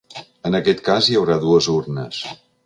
En aquest cas, hi haurà dues urnes.